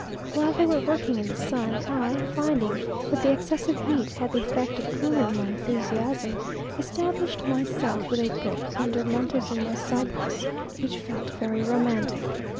While they were working in the sun, I, finding that the excessive heat had the effect of cooling my enthusiasm, established myself with a book under Montezuma's cypress, which felt very romantic.